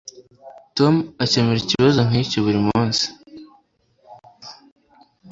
Tom akemura ikibazo nkicyo buri munsi